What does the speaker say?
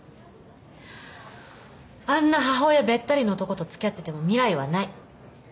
あんな母親べったりの男とつきあってても未来はない。